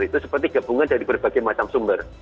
itu seperti gabungan dari berbagai macam sumber